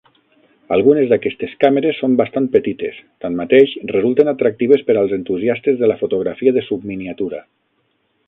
Algunes d'aquestes càmeres són bastant petites, tanmateix resulten atractives per als entusiastes de la fotografia de subminiatura.